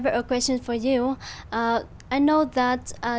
vì vậy tôi có một câu hỏi cho các bạn